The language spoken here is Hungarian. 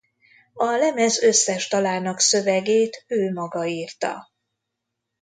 A lemez összes dalának szövegét ő maga írta.